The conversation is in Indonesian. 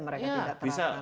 mereka tidak terangkan